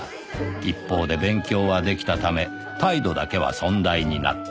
一方で勉強は出来たため態度だけは尊大になった